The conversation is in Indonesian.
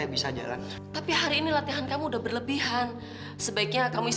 kalian mau ngasih alasan apa lagi sama aku